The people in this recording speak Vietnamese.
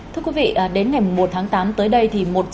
thưa quý vị đến ngày một tháng tám tới đây thì